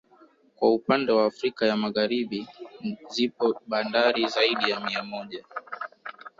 Kwa upannde wa Afrika ya Magharibi zipo bandari zaidi ya mia moja